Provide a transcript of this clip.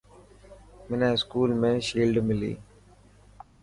منا اسڪول ۾ شيلڊ ملي.